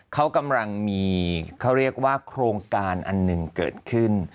เขากำลังมีเขาเรียกว่าโครงการอันหนึ่งเกิดขึ้น